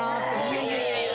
いやいやいやいや。